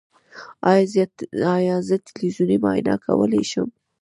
ایا زه تلویزیوني معاینه کولی شم؟